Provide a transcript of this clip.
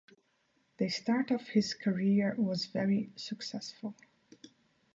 The start of his career was very successful.